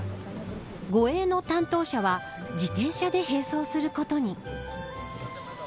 護衛の担当者は自転車で併走することに。